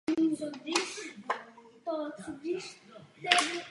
V témže roce byl jako přidružené území připojen k Unii.